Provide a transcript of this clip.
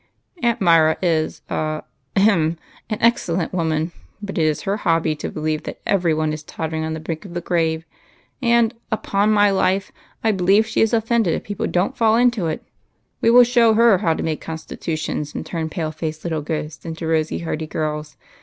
"Aunt Myra is a — ahem! — an excellent woman, but it is her hobby to believe that every one is totter ing on the brink of the grave ; and, upon my life, I believe she is offended if people don't fall into it ! We will show her how to make constitutions and turn pale faced little ghosts into rosy, hearty girls.